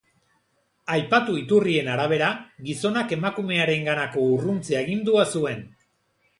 Aipatu iturrien arabera, gizonak emakumearenganako urruntze-agindua zuen.